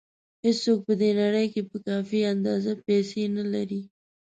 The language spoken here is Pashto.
هېڅوک په دې نړۍ کې په کافي اندازه پیسې نه لري.